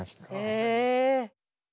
へえ。